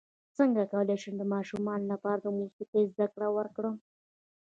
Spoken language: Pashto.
څنګه کولی شم د ماشومانو لپاره د موسیقۍ زدکړه ورکړم